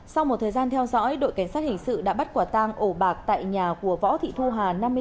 sau một thời gian theo dõi đội cảnh sát hình sự đã bắt quả tang ổ bạc tại nhà của võ thị thu hà